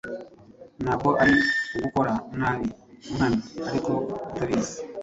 Ntabwo ari ugukora nabi nkana, ariko utabizi